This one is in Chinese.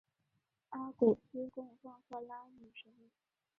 阿古斯供奉赫拉女神。